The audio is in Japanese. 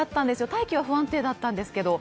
大気は不安定だったんですけど。